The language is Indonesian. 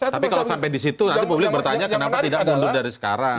tapi kalau sampai di situ nanti publik bertanya kenapa tidak mundur dari sekarang